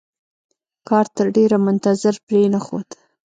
کارتر ډېر منتظر پرې نښود.